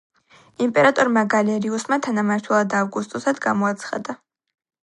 იმპერატორმა გალერიუსმა თანამმართველად და ავგუსტუსად გამოაცხადა.